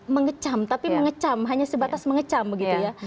mengecam tapi mengecam hanya sebatas mengecam begitu ya